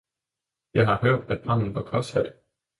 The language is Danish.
Jeg har hørt, at branden var påsat?